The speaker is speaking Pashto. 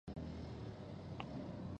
افغانستان د سیلابونه کوربه دی.